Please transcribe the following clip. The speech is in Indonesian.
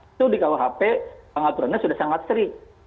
itu di kuhp pengaturannya sudah sangat sering